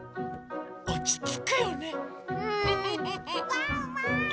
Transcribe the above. ・ワンワーン！